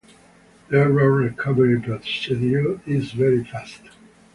The error recovery procedure is very fast.